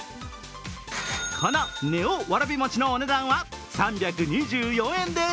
このＮＥＯわらび餅のお値段は３２４円です。